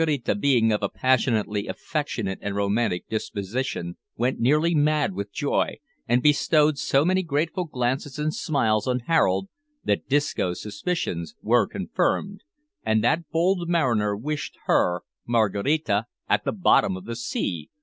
Poor Maraquita, being of a passionately affectionate and romantic disposition, went nearly mad with joy, and bestowed so many grateful glances and smiles on Harold that Disco's suspicions were confirmed, and that bold mariner wished her, Maraquita, "at the bottom of the sea!"